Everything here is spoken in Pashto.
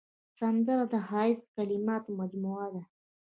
سندره د ښایسته کلماتو مجموعه ده